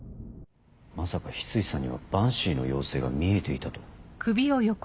まさか翡翠さんにはバンシーの妖精が見えていたと？